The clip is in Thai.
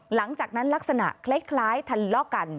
หลังจากนั้นลักษณะคล้ายทะเลาะกัน